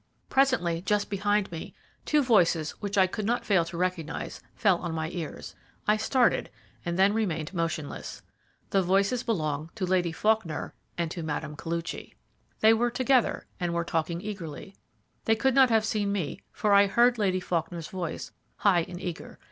Presently, just behind me, two voices, which I could not fail to recognize, fell on my ears. I started, and then remained motionless. The voices belonged to Lady Faulkner and to Mme. Koluchy. They were together, and were talking eagerly. They could not have seen me, for I heard Lady Faulkner's voice, high and eager.